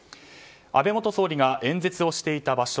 安倍元総理が演説をしていた場所